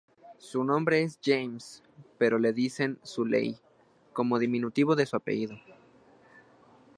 Su nombre es James, pero le dicen "Sulley" como diminutivo de su apellido.